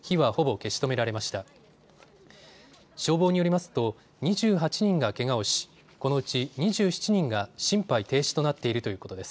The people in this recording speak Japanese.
消防によりますと２８人がけがをし、このうち２７人が心肺停止となっているということです。